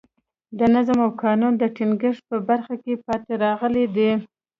د نظم او قانون د ټینګښت په برخه کې پاتې راغلي دي.